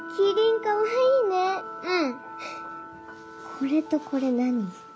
これとこれ何？